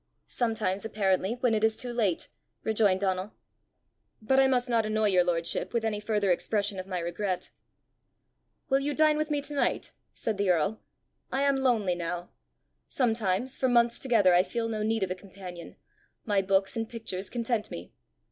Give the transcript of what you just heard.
"Sometimes, apparently, when it is too late!" rejoined Donal. "But I must not annoy your lordship with any further expression of my regret!" "Will you dine with me to night?" said the earl. "I am lonely now. Sometimes, for months together, I feel no need of a companion: my books and pictures content me.